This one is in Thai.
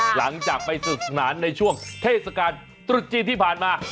หลังจากไปสนุกสนานในช่วงเทศกาลตรุษจีนที่ผ่านมา